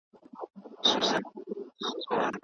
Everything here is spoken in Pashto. پر مځکي باندي د باران اواز اورېدل کېدی.